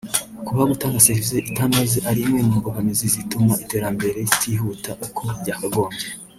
Kuba gutanga serivisi itanoze ari imwe mu mbogamizi zituma iterambere ritihuta uko byakagombye